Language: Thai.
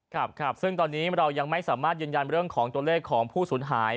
ครับครับซึ่งตอนนี้เรายังไม่สามารถยืนยันเรื่องของตัวเลขของผู้สูญหาย